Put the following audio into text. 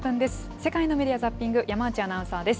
世界のメディア・ザッピング、山内アナウンサーです。